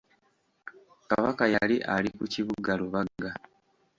Kabaka yali ali ku kibuga Rubaga.